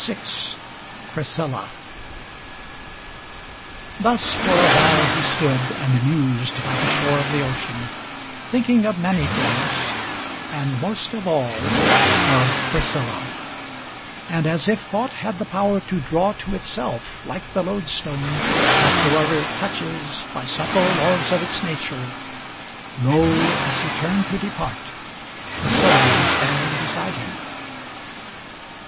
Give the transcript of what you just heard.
VI PRISCILLA Thus for a while he stood, and mused by the shore of the ocean, Thinking of many things, and most of all of Priscilla; And as if thought had the power to draw to itself, like the loadstone, Whatsoever it touches, by subtile laws of its nature, Lo! as he turned to depart, Priscilla was standing beside him.